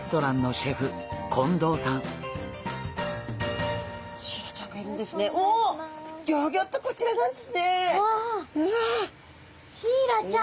シイラちゃん。